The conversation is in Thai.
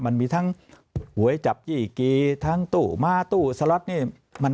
มันมีทั้งหวยจับจี้กีทั้งตู้ม้าตู้สล็อตนี่